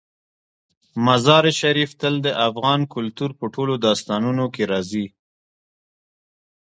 مزارشریف تل د افغان کلتور په ټولو داستانونو کې راځي.